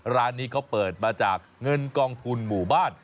ร้านนี้เขาเปิดมาจากเงินกองทุนหมู่บ้าน